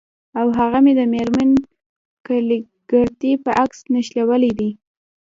او هغه مې د میرمن کلیګرتي په عکس نښلولي دي